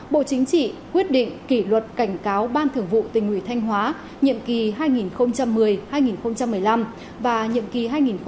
bộ chính trị quyết định kỷ luật cảnh cáo ban thường vụ tỉnh ủy thanh hóa nhiệm kỳ hai nghìn một mươi hai nghìn một mươi năm và nhiệm kỳ hai nghìn một mươi năm hai nghìn hai mươi